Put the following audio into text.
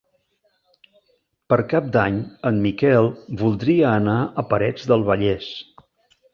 Per Cap d'Any en Miquel voldria anar a Parets del Vallès.